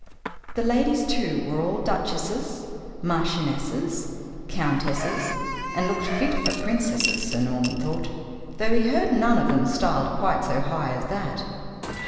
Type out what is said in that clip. The ladies, too, were all duchesses, marchionesses, countesses, and looked fit for princesses, Sir Norman thought, though he heard none of them styled quite so high as that.